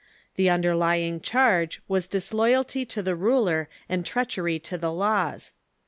The underlying charge was disloyalty to the ruler and treachery to the laws.